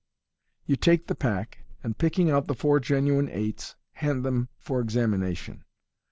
You take the pack, and picking out the four genuine eights, hand them for examination.